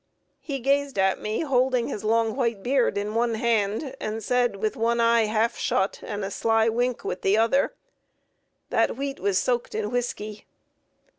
He gazed at me, holding his long white beard in one hand, and said with one eye half shut and a sly wink with the other, "That wheat was soaked in whisky."